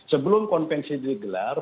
sebelum konvensi digelar